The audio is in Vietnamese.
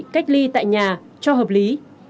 cách ly tại nhà cho hợp lý